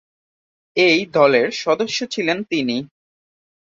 এই দলের সদস্য ছিলেন তিনি।